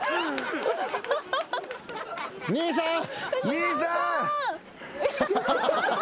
兄さん！